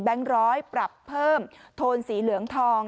ร้อยปรับเพิ่มโทนสีเหลืองทอง